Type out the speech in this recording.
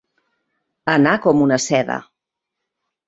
Anar com una seda.